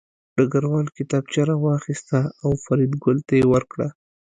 ډګروال کتابچه راواخیسته او فریدګل ته یې ورکړه